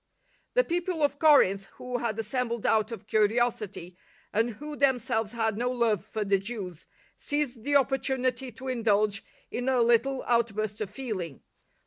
The people of Corinth, who had assembled out of curiosit5^ and who themselves had no love for the Jews, seized the opportunity to indulge in a little outburst of feeling.